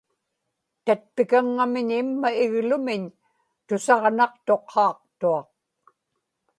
tatpikaŋŋamiñ imma iglumiñ tusaġnaqtuq qaaqtuaq